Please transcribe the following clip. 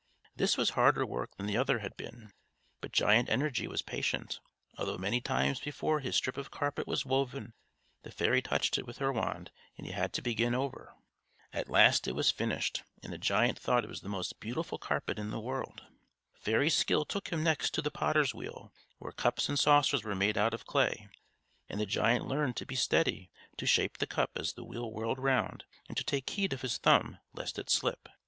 This was harder work than the other had been; but Giant Energy was patient, although many times before his strip of carpet was woven the fairy touched it with her wand, and he had to begin over. [Illustration: Then she set him to work, bidding him sort a heap of tangled threads.] At last it was finished, and the giant thought it was the most beautiful carpet in the world. Fairy Skill took him next to the potter's wheel, where cups and saucers were made out of clay; and the giant learned to be steady, to shape the cup as the wheel whirled round, and to take heed of his thumb, lest it slip.